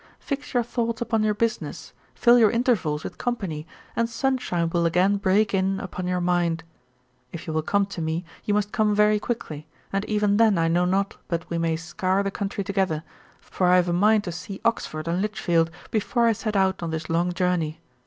Fix your thoughts upon your business, fill your intervals with company, and sunshine will again break in upon your mind. If you will come to me, you must come very quickly; and even then I know not but we may scour the country together, for I have a mind to see Oxford and Lichfield, before I set out on this long journey.